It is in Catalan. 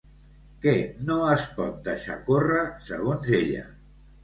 Què no es pot deixar córrer, segons ella?